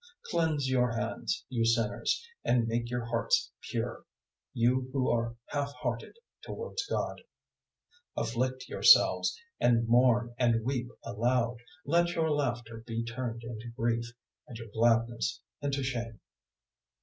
Cleanse your hands, you sinners, and make your hearts pure, you who are half hearted towards God. 004:009 Afflict yourselves and mourn and weep aloud; let your laughter be turned into grief, and your gladness into shame.